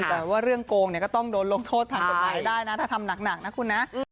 แต่ว่าเรื่องโกงก็ต้องโดนลงโทษทันต่อไปได้นะถ้าทำหนักนะคุณนะ